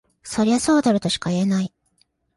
そりゃそうだろとしか言えない